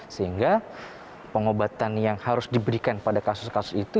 sehingga pengobatan yang harus diberikan pada kasus kasus itu